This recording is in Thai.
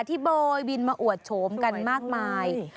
โบยบินมาอวดโฉมกันมากมาย